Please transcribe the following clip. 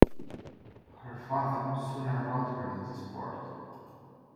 Her father soon enrolled her in the sport.